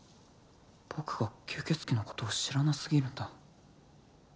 僕が吸血鬼のことを知らな過ぎるんだ